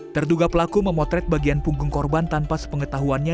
terduga pelaku memotret bagian punggung korban tanpa sepengetahuannya